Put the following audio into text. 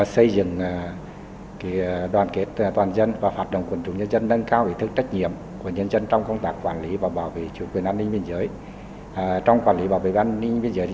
xin cảm ơn đồng chí